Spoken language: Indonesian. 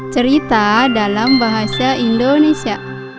cerita dalam bahasa indonesia